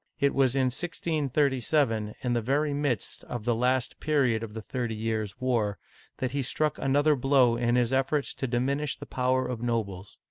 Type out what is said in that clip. It was in 1637, ^^ the very midst of the last period of the Thirty Years' War, that he struck another blow in his efforts to diminish the power of nobles.